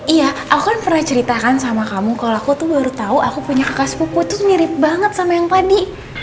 iya aku kan pernah ceritakan sama kamu kalau aku tuh baru tau aku punya kakak sepupu itu mirip banget sama yang tadi